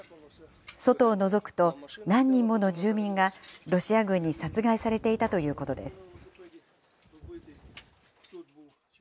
外をのぞくと、何人もの住民がロシア軍に殺害されていたということです。